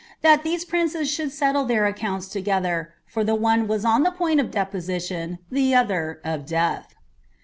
'' that these prim* should settle Lheir accounia together, for the one wan oii the pginlaf deposition, the other, of death."